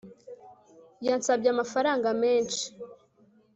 yansabye amafaranga menshi